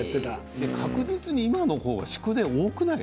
確実に今の方が宿題が多くない？